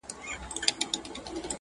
ستا په دوه دلیله ژوند در ختمومه -